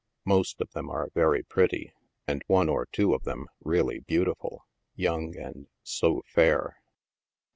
Most of them are very pretty, and one or two of them really beautiful —" young and so fair."